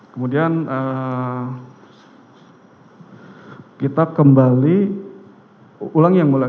kemudian kita kembali ulangi yang mulia